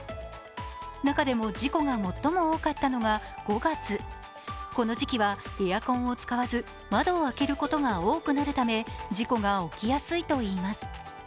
中でも事故が最も多かったのが５月この時期はエアコンを使わず窓を開けることが多くなるため事故が起きやすいといいます。